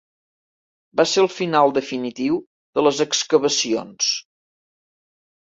Va ser el final definitiu de les excavacions.